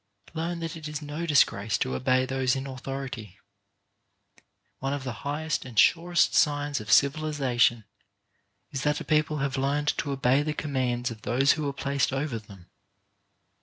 Learn that it is no disgrace to obey those in authority. One of the highest and surest signs of civiliza tion is that a people have learned to obey the commands of those who are placed over them.